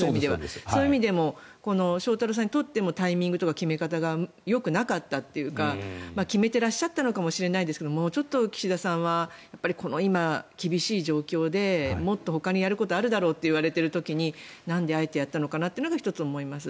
そういう意味でも翔太郎さんにとってもタイミングとか決め方がよくなかったというか決めてらっしゃったのかもしれないけどもうちょっと岸田さんはこの今、厳しい状況でもっとほかにやることあるだろうといわれている時になんで、あえてやったのかは１つ思います。